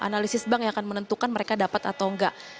analisis bank yang akan menentukan mereka dapat atau enggak